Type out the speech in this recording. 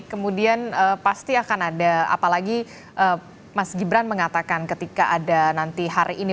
kemudian pasti akan ada apalagi mas gibran mengatakan ketika ada nanti hari ini